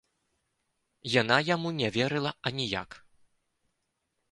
Яна яму не верыла аніяк.